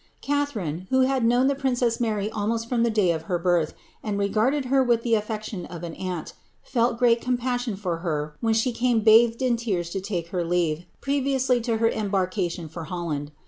Catharine, who had known the princess Mary almost from the day of her birth, and regarded her with the aflection of an aunt, felt great com puiion for her when she came bathed in tears to take leave of her, pre* nously to her embarkation for Holland.